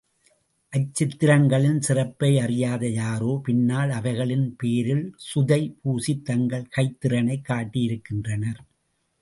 அச்சித்திரங்களின் சிறப்பை அறியாத யாரோ பின்னால் அவைகளின் பேரில் சுதை பூசித் தங்கள் கைத்திறனைக் காட்டியிருக்கின்றனர்.